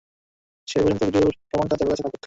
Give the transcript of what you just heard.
সে পর্যন্ত ভিডিও প্রমাণটা চারুর কাছে থাকুক।